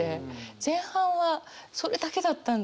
前半はそれだけだったんだって